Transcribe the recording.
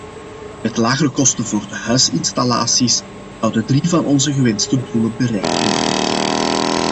Met lagere kosten voor huisinstallaties zouden drie van onze gewenste doelen bereikt worden.